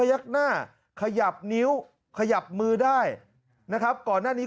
ยักหน้าขยับนิ้วขยับมือได้นะครับก่อนหน้านี้